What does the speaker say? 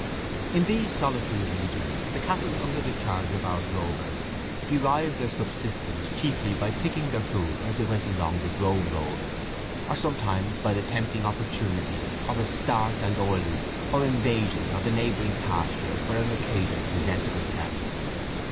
In these solitary regions the cattle under the charge of our drovers derived their subsistence chiefly by picking their food as they went along the drove road, or sometimes by the tempting opportunity of a "start and owerloup," or invasion of the neighbouring pasture, where an occasion presented itself.